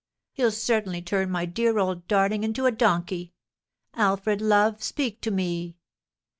He'll certainly turn my dear old darling into a donkey! Alfred, love, speak to me!"